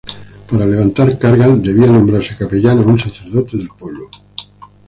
Para levantar cargas, debía nombrarse capellán a un sacerdote del pueblo.